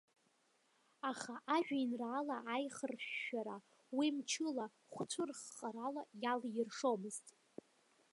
Аха ажәеинраала аихыршәшәара уи мчыла, хәцәыррхарала иалиршомызт.